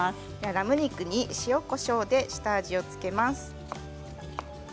ラム肉に塩、こしょうで下味を付けます。